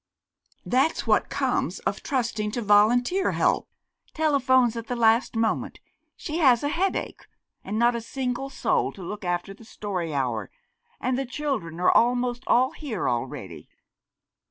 "That's what comes of trusting to volunteer help. Telephones at the last moment 'she has a headache,' and not a single soul to look after the story hour! And the children are almost all here already."